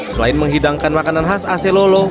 selain menghidangkan makanan khas aselolo